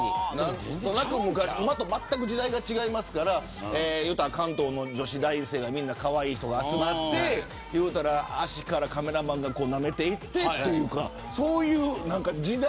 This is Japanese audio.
今とまったく時代が違いますから関東の女子大生がみんなかわいい人が集まって足からカメラマンがなめていってというそういう時代